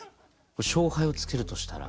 勝敗をつけるとしたら？